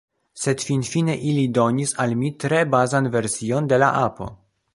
Sed finfine ili donis al mi tre bazan version de la apo.